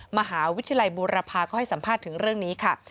มหาวิทยาลัยบูรพาก็ให้สัมภาษณ์ถึงเรื่องนี้ค่ะ